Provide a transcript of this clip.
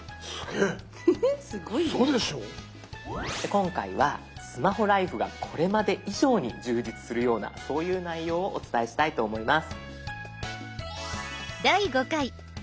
今回はスマホライフがこれまで以上に充実するようなそういう内容をお伝えしたいと思います。